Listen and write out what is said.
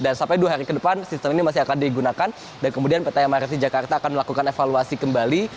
dan sampai dua hari ke depan sistem ini masih akan digunakan dan kemudian pt mrt jakarta akan melakukan evaluasi kembali